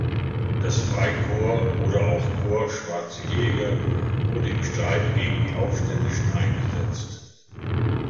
Das „Freikorps“- oder auch „Korps Schwarze Jäger“ wurde im Streit gegen die Aufständischen eingesetzt.